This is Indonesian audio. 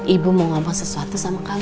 ibu mau ngomong sesuatu sama kalian